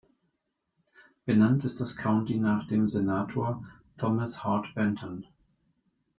Benannt ist das County nach dem Senator Thomas Hart Benton.